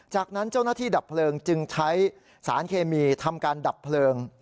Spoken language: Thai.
จากนั้นเจ้าหน้าที่ดับเพลิงจึงใช้สารเคมีทำการดับเพลิง